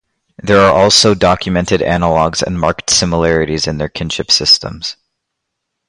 There are also documented analogues and marked similarities in their kinship systems.